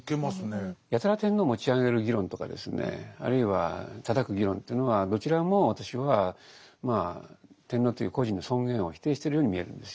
やたら天皇を持ち上げる議論とかですねあるいはたたく議論というのはどちらも私は天皇という個人の尊厳を否定してるように見えるんですよ。